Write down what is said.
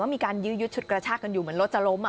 มีการยื้อยุดฉุดกระชากกันอยู่เหมือนรถจะล้ม